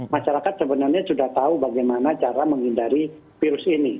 masyarakat sebenarnya sudah tahu bagaimana cara menghindari virus ini